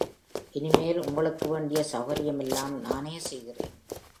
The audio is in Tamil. இனிமேல் உங்களுக்கு வேண்டிய செளகர்யமெல்லாம் நானே செய்கிறேன்.